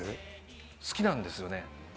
好きなんですよね。